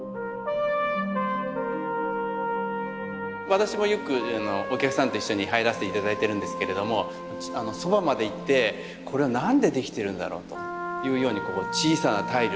私もよくお客さんと一緒に入らせて頂いてるんですけれどもそばまで行ってこれは何で出来てるんだろうとというようにこの小さなタイル。